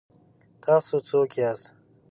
ـ تاسو څوک یاست؟